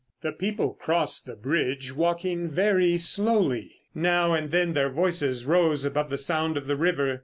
The people crossed the bridge, walking very slowly. Now and then their voices rose above the sound of the river.